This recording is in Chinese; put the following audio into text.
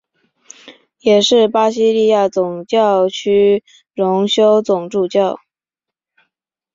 也是巴西利亚总教区荣休总主教。